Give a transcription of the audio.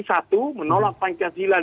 satu menolak pancasila